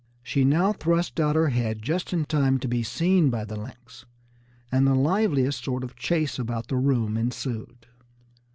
She now thrust out her head just in time to be seen by the lynx, and the liveliest sort of chase about the room ensued.